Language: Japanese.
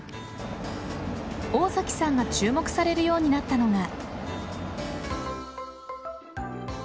大崎さんが注目されるようになったのが。